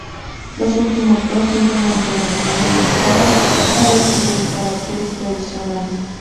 Los últimos dos sirven, aunque de manera limitada, para escribir caracteres tradicionales.